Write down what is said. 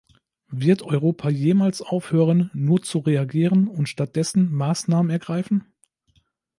Wird Europa jemals aufhören, nur zu reagieren, und stattdessen Maßnahmen ergreifen?